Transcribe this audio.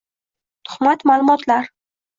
tuhmat ma’lumotlar